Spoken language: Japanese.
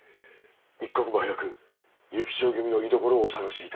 一刻も早く幸千代君の居所をお探しいたします。